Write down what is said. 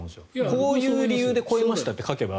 こういう理由で超えましたって書けば。